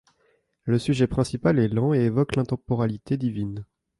Le sujet principal est lent et évoque l'intemporalité divine.